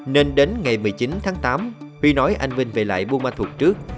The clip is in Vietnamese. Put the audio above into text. nên đến ngày một mươi chín tháng tám huy nói anh vinh về lại buôn ma thuột trước